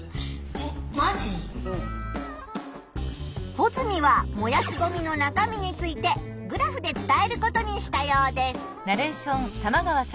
ホズミは燃やすゴミの中身についてグラフで伝えることにしたようです。